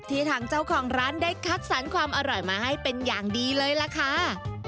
ทางเจ้าของร้านได้คัดสรรความอร่อยมาให้เป็นอย่างดีเลยล่ะค่ะ